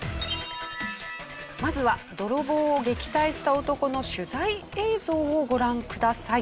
まずは泥棒を撃退した男の取材映像をご覧ください。